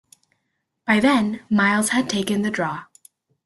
By then, Miles had taken the draw.